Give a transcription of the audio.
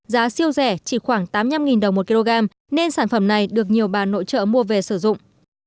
giá siêu rẻ chỉ khoảng tám mươi năm đồng một kg nên sản phẩm này được nhiều bà nội trợ mua về sử dụng